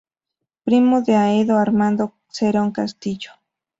Primo del aedo Armando Cerón Castillo.